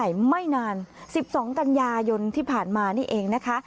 ไอ้ไข่ไม่นานสิบสองกัญญายนที่ผ่านมานี่เองนะคะ